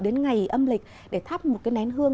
đến ngày âm lịch để thắp một cái nén hương